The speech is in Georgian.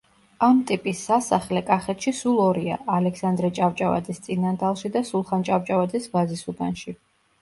ამ ტიპის სასახლე კახეთში სულ ორია: ალექსანდრე ჭავჭავაძის წინანდალში და სულხან ჭავჭავაძის ვაზისუბანში.